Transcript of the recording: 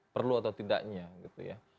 perlu atau tidaknya gitu ya